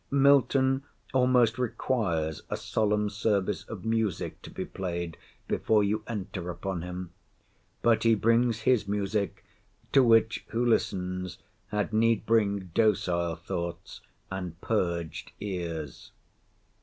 Milton almost requires a solemn service of music to be played before you enter upon him. But he brings his music, to which, who listens, had need bring docile thoughts, and purged ears.